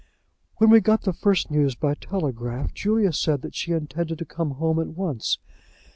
"When we got the first news by telegraph, Julia said that she intended to come home at once.